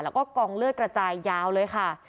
แล้วก็กองเลือดกระจายยาวเลยค่ะ